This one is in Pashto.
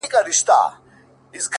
o ستا د رخسار خبري ډيري ښې دي،